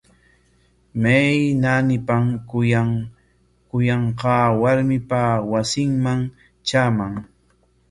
¿May naanipam kuyanqaa warmipa wasinman traaman?